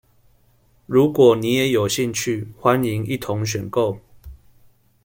如果你也有興趣，歡迎一同選購。